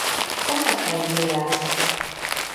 Santa Fé de Goiás